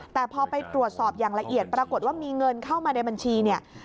แต่พอไปตรวจสอบอย่างละเอียดปรากฏว่ามีเงินเข้ามาในบัญชีเนี่ย